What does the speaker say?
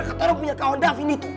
kata orang punya kawan davin itu